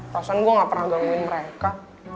perasaan gue gak pernah gangguin mereka